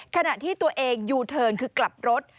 ขณะที่ตัวเองยูเทิร์นคือกลับรถ